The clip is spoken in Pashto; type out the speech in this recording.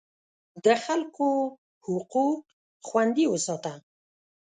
د خلکو حقوق خوندي وساته.